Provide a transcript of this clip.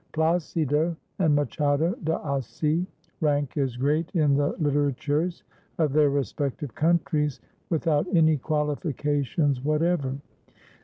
Plácido and Machado de Assis rank as great in the literatures of their respective countries without any qualifications whatever.